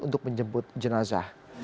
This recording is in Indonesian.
untuk menjemput jenazah